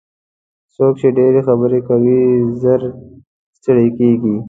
څوک چې ډېرې خبرې کوي ژر ستړي کېږي.